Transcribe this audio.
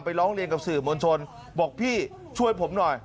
ร้องเรียนกับสื่อมวลชนบอกพี่ช่วยผมหน่อย